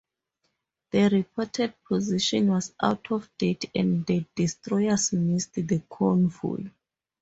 The reported position was out of date and the destroyers missed the convoy.